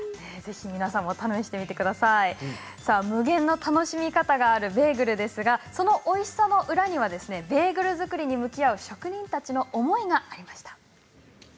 無限の楽しみ方があるベーグルですがそのおいしさの裏にはベーグル作りに向き合う職人たちの思いがありました。